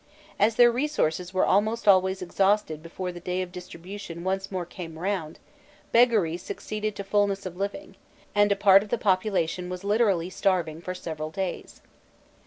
As their resources were almost always exhausted before the day of distribution once more came round, beggary succeeded to fulness of living, and a part of the population was literally starving for several days.